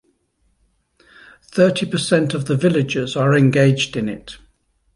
Thirty percent of the villagers are engaged in it.